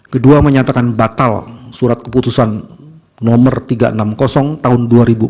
kedua menyatakan batal surat keputusan nomor tiga ratus enam puluh tahun dua ribu empat belas